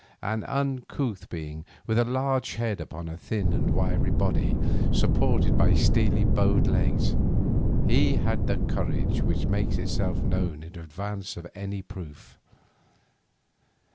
An uncouth being, with a large head upon a thin and wiry body supported by steely bowed legs, he had that courage which makes itself known in advance of any proof.